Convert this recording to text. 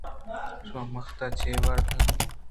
شاہ مختا چے واڑت انت؟